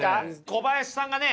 小林さんがね